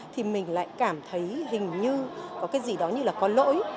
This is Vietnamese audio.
thì mình lại cảm thấy hình như có cái gì đó như là có lỗi